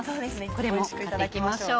これも買っていきましょう。